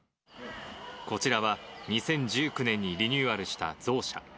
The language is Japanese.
こちらは、２０１９年にリニューアルしたゾウ舎。